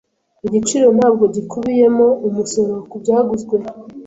Igiciro ntabwo gikubiyemo umusoro ku byaguzwe.